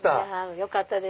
よかったです。